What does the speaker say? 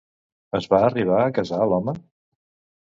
Es va arribar a casar l'home?